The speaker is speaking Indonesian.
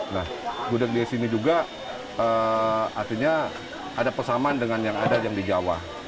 nah gudeg di sini juga artinya ada persamaan dengan yang ada yang di jawa